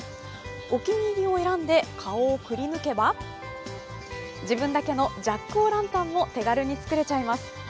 お気に入りを選んで顔をくり抜けば、自分だけのジャック・オ・ランタンも手軽に作れちゃいます。